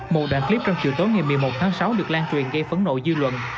một đoạn clip trong chiều tối ngày một mươi một tháng sáu được lan truyền gây phấn nộ dư luận